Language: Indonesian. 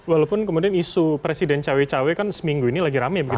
walaupun kemudian isu presiden cawe cawe kan seminggu ini lagi rame begitu